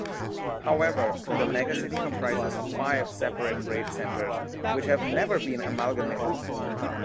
However, the megacity comprises five separate rate centres which have never been amalgamated.